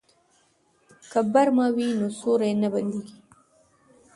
که برمه وي نو سوري نه بنديږي.